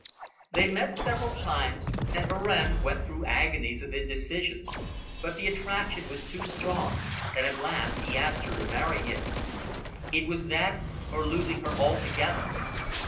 They met several times, and Varenne went through agonies of indecision. But the attraction was too strong, and at last he asked her to marry him. It was that or losing her altogether.